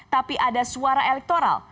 tapi ada suara elektoral